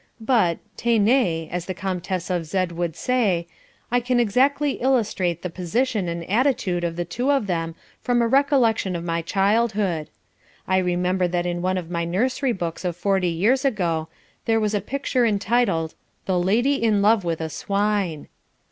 But, tenez, as the Comtesse of Z would say, I can exactly illustrate the position and attitude of the two of them from a recollection of my childhood. I remember that in one of my nursery books of forty years ago there was a picture entitled "The Lady in Love With A Swine."